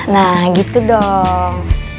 nah gitu dong